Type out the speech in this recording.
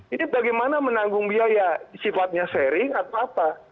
ini bagaimana menanggung biaya sifatnya sharing atau apa